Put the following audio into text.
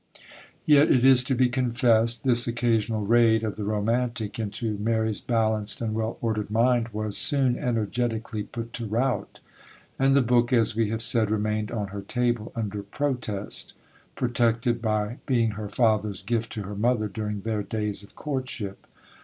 Yet it is to be confessed, this occasional raid of the romantic into Mary's balanced and well ordered mind was soon energetically put to rout, and the book, as we have said, remained on her table under protest,—protected by being her father's gift to her mother during their days of courtship.